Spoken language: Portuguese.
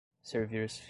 servir-se